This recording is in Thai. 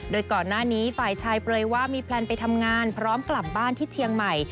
โดยก่อนหน้านี้ฝ่ายชายเปลยว่ามีแพลนไปทำงานพร้อมกลับบ้านที่เชียงใหม่